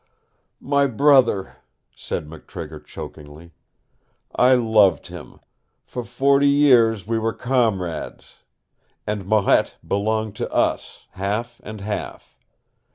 "My brother," said McTrigger chokingly. "I loved him. For forty years we were comrades. And Marette belonged to us, half and half.